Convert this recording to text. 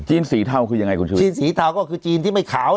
สีเทาคือยังไงคุณชุวิตจีนสีเทาก็คือจีนที่ไม่ขาว